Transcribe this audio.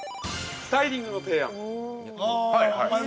スタイリングの提案。